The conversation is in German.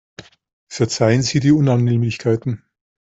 Verzeihen Sie die Unannehmlichkeiten.